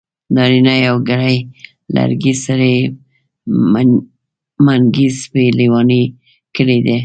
نارينه يوګړی ی لرګی سړی منګی سپی لېوانی ګړندی